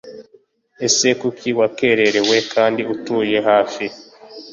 ese kuki wakererewe kandi utuye hafi